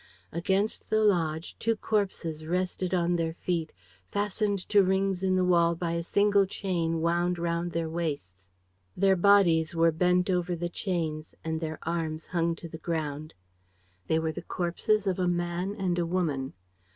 Against the lodge, two corpses rested on their feet, fastened to rings in the wall by a single chain wound round their waists. Their bodies were bent over the chains and their arms hung to the ground. They were the corpses of a man and a woman.